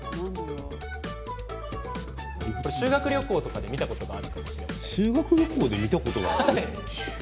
修学旅行とかで見たことある人がいるかもしれません。